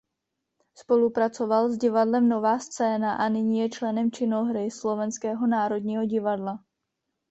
Spolupracoval s Divadlem Nová scéna a nyní je členem činohry Slovenského národního divadla.